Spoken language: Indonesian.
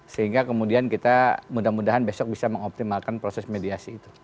sehingga kemudian kita mudah mudahan besok bisa mengoptimalkan proses mediasi itu